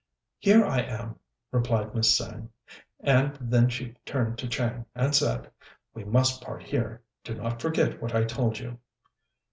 "Here I am," replied Miss Tsêng; and then she turned to Chang and said, "We must part here; do not forget what I told you."